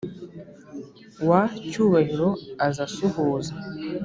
wa cyubahiro aza asuhuza